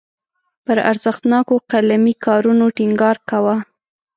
پر ارزښتناکو قلمي کارونو ټینګار کاوه.